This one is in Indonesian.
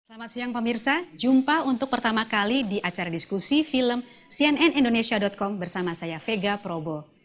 selamat siang pemirsa jumpa untuk pertama kali di acara diskusi film cnn indonesia com bersama saya vega probo